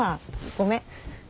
ごめん。